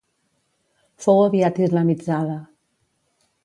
Fou aviat islamitzada.